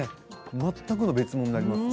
全くの別物になりますね。